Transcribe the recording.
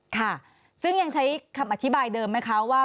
ค่ะซึ่งยังใช้คำอธิบายเดิมไหมคะว่า